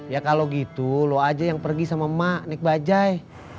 ya kalau gitu lo aja yang pergi sama emak nek bajaj